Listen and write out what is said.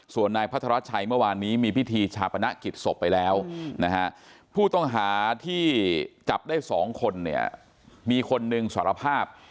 ส่วนนายพัทรชัยเมื่อวานนี้มีพิธีชาปนกิจศพไปแล้วนะฮะผู้ต้องหาที่จับได้๒คนเนี่ยมีคนหนึ่งสารภาพ